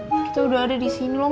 kita sudah ada di sini